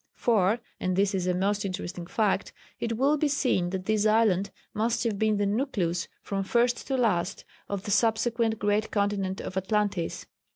For and this is a most interesting fact it will be seen that this island must have been the nucleus, from first to last, of the subsequent great continent of Atlantis.